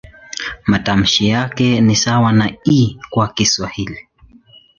Matamshi yake ni sawa na "i" kwa Kiswahili.